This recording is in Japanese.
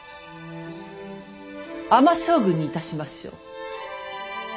尼将軍にいたしましょう。